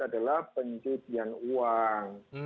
adalah penyidikan uang